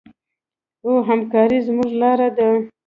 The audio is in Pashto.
او همکاري زموږ لاره ده.